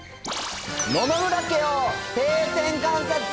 野々村家を定点観察。